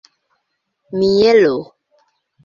mielo